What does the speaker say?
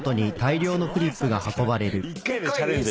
１回のチャレンジ。